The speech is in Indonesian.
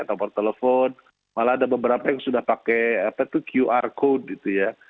tombol telepon malah ada beberapa yang sudah pakai qr code gitu ya